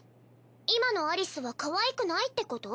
今のアリスはかわいくないってこと？